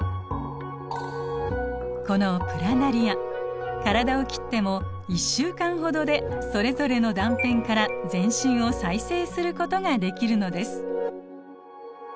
このプラナリア体を切っても１週間ほどでそれぞれの断片から全身を再生することができるのです。